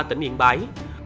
tỉnh yên bái